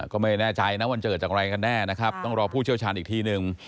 ก็ไม่แน่ใจนะมันเกิดจากอะไรกันแน่นะครับต้องรอผู้เชี่ยวชาญอีกทีหนึ่ง